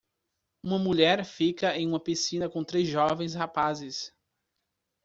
Uma mulher fica em uma piscina com três jovens rapazes.